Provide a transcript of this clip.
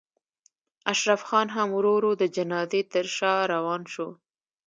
اشرف خان هم ورو ورو د جنازې تر شا روان شو.